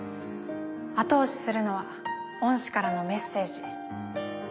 あと押しするのは恩師からのメッセージ。